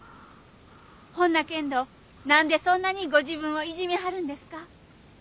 ほんなけんど何でそんなにご自分をいじめはるんですか？